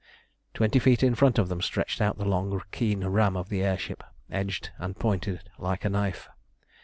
Twenty feet in front of them stretched out the long keen ram of the air ship, edged and pointed like a knife.